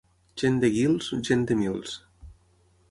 Gent de Guils, gent de mils.